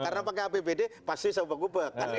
karena pakai apbd pasti saya gupek gubek